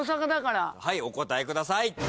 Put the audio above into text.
お答えください。